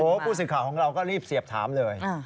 ผู้สื่อข่าวของเราก็รีบเสียบถามเลย